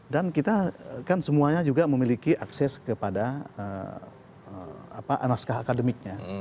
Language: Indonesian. dan kita kan semuanya juga memiliki akses kepada anaskah akademiknya